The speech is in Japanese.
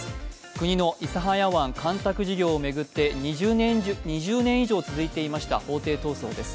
国の諫早湾干拓事業を巡って２０年以上続いていました法廷闘争です。